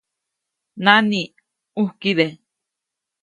¡Nani, ʼujkide!